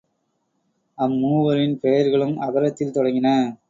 அம் மூவரின் பெயர்களும் அகரத்தில் தொடங்கின.